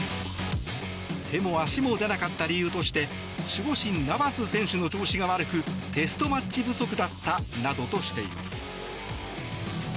手も足も出なかった理由として守護神ナバス選手の調子が悪くテストマッチ不足だったなどとしています。